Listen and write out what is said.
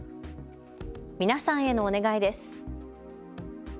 皆さんへのお願いです。